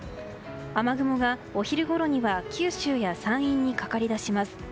雨雲が、お昼ごろには九州や山陰にかかりだします。